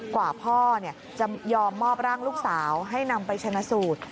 กว่าพ่อจะยอมมอบร่างลูกสาวให้นำไปชนะสูตร